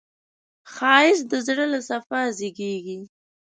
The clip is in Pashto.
ښایست د زړه له صفا زېږېږي